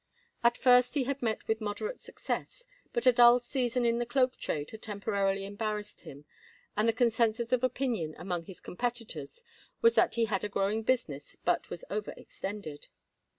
At first he had met with moderate success, but a dull season in the cloak trade had temporarily embarrassed him, and the consensus of opinion among his competitors was that he had a growing business but was over extended.